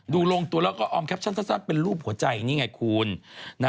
ลงตัวแล้วก็ออมแคปชั่นสั้นเป็นรูปหัวใจนี่ไงคุณ